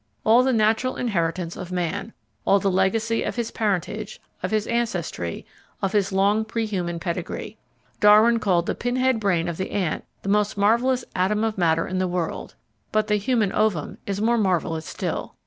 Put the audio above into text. all the natural inheritance of man, all the legacy of his parentage, of his ancestry, of his long pre human pedigree. Darwin called the pinhead brain of the ant the most marvellous atom of matter in the world, but the human ovum is more marvellous still.